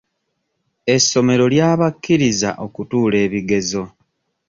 Essomero lya bakkiriza okutuula ebigezo.